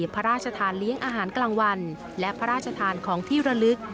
พระราชทานเลี้ยงอาหารกลางวันและพระราชทานของที่ระลึก